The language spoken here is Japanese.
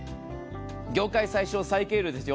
業界最小・最軽量ですよ。